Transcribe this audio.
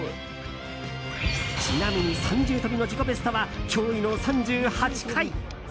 ちなみに、３重跳びの自己ベストは驚異の３８回。